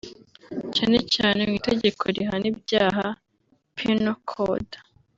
cyane cyane mu itegeko rihana ibyaha (penal code)